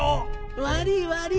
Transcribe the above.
悪い悪い。